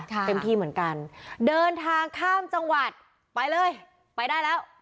เต็มที่เหมือนกันเดินทางข้ามจังหวัดไปเลยไปได้แล้ว